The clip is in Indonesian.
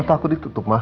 mata aku ditutup ma